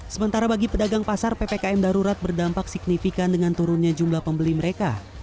sementara bagi pedagang pasar ppkm darurat berdampak signifikan dengan turunnya jumlah pembeli mereka